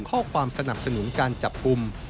ข้อความสนับสนุนการจับกลุ่ม